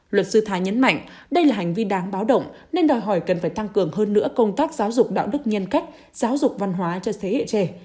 luật sư thái nhấn mạnh đây là hành vi đáng báo động nên đòi hỏi cần phải tăng cường hơn nữa công tác giáo dục đạo đức nhân cách giáo dục văn hóa cho thế hệ trẻ